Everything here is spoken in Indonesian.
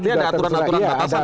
ada aturan aturan batasan ya